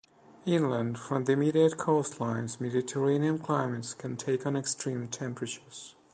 Inland from the immediate coastlines, Mediterranean climates can take on extreme temperatures.